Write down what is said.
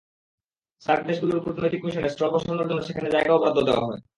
SAARC দেশগুলোর কূটনৈতিক মিশনের স্টল বসানোর জন্য সেখানে জায়গাও বরাদ্দ দেওয়া হয়।